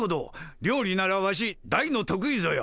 料理ならワシ大の得意ぞよ。